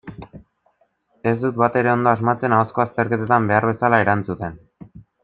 Ez dut batere ondo asmatzen ahozko azterketetan behar bezala erantzuten.